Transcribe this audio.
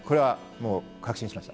確信しました。